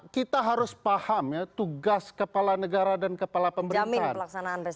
kita harus paham ya tugas kepala negara dan kepala pemerintahan